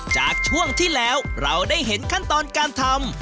จากช่วงที่แล้วเราได้เห็นขั้นตอนการทำ